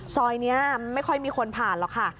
ซอยนี้ไม่ค่อยมีคนผ่านหรอกค่ะ